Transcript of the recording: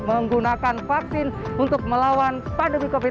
menggunakan vaksin untuk melawan pandemi covid sembilan belas